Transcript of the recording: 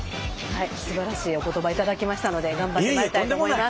はいすばらしいお言葉頂きましたので頑張ってまいりたいと思います。